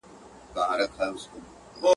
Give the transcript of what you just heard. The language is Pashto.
پرېږده په نغمو کي د بېړۍ د ډوبېدو کیسه.